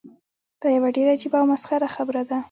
دا یوه ډیره عجیبه او مسخره خبره ده.